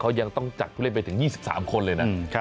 เขายังต้องจัดผู้เล่นไปถึง๒๓คนเลยนะ